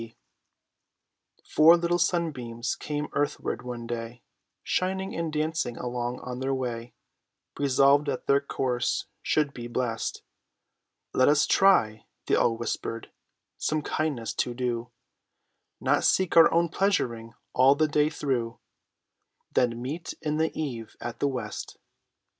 K. B. Four little sunbeams came earthward one day, Shining and dancing along on their way, Resolved that their course should be blest. "Let us try," they all whispered, "some kindness to do, Not seek our own pleasuring all the day through, Then meet in the eve at the west."